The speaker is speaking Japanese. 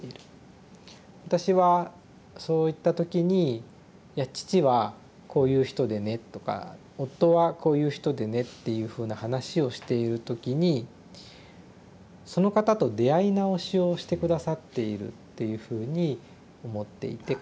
私はそういった時に「いや父はこういう人でね」とか「夫はこういう人でね」っていうふうな話をしている時にその方と出会い直しをして下さっているっていうふうに思っていて。